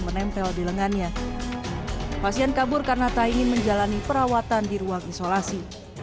menempel di lengannya pasien kabur karena tak ingin menjalani perawatan di ruang isolasi